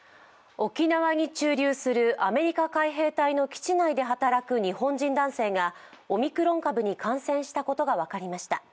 沖縄に駐留するアメリカ海兵隊の基地内で働く日本人男性が、オミクロン株に感染したことが分かりました。